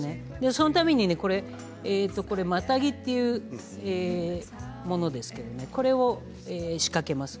そのために又木というものですけれどこれを仕掛けます。